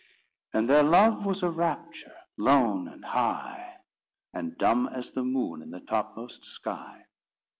And their love was a rapture, lone and high, And dumb as the moon in the topmost sky.